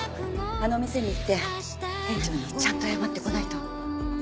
あの店に行って店長にちゃんと謝ってこないと。